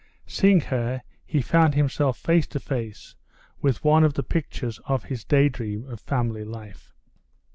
Seeing her, he found himself face to face with one of the pictures of his daydream of family life.